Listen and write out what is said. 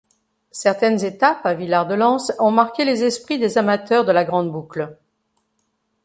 Certaines étapes à Villard-de-Lans ont marqué les esprits des amateurs de la grande boucle.